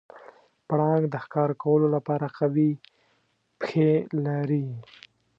پړانګ د ښکار کولو لپاره قوي پښې لري.